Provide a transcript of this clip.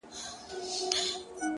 • خو كله ـ كله مي بيا ـ